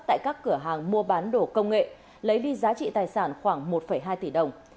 tại các cửa hàng mua bán đổ công nghệ lấy đi giá trị tài sản khoảng một hai tỷ đồng